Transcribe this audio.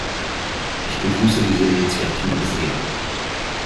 Ich begrüße diese Initiative sehr.